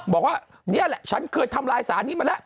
บอกว่านี่แหละฉันเคยทำลายสารนี้มาแล้ว